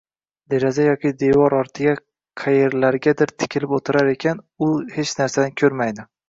Deraza yoki devor ortiga, qayerlargadir tikilib oʻtirar ekan, u hech narsani koʻrmaydi